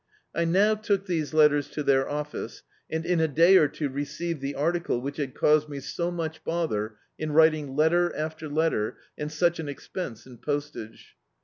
I now took these letters to dieir office, and in a day or two received the article which had caused me so much bother in writing letter after letter, and such an expense in postage.